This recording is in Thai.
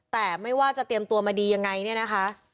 แต่ไม่ว่าจะเตรียมตัวมาดียังไงเนี่ยนะคะ